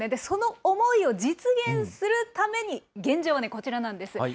その思いを実現するために、現状はこちらなんです。